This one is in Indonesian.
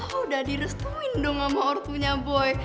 lo udah direstuin dong sama ortunya boy